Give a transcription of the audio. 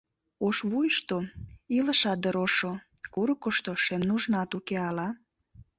Ош вуйышто илышат дыр ошо, Курыкышто шем нужнат уке ала?